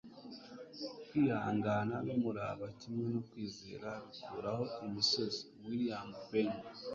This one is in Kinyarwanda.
kwihangana n'umurava, kimwe no kwizera, bikuraho imisozi. - william penn